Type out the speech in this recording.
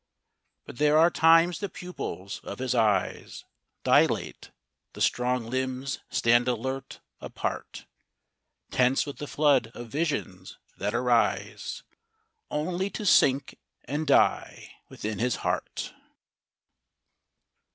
But there are times the pupils of his eyes Dilate, the strong limbs stand alert, apart, Tense with the flood of visions that arise Only to sink and die within his heart.